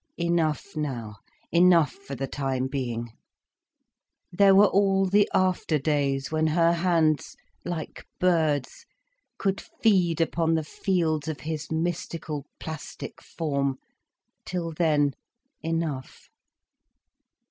Enough now—enough for the time being. There were all the after days when her hands, like birds, could feed upon the fields of him mystical plastic form—till then enough.